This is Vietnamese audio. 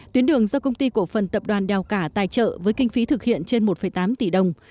tuyến đường do công ty cổ phần tập đoàn đèo cả tài trợ với kinh phí thực hiện trên một tám tỷ đồng